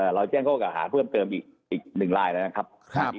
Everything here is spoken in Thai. เราแจ้งเข้ากับอาหารเพิ่มเกิมอีก๑รายแล้วนะครับ